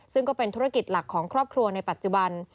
ซึ่งก็เป็นธุรกิจหลักของครอบครัวในปัจจุบัน